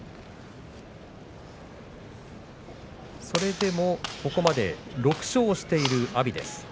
それでも、ここまで６勝している阿炎です。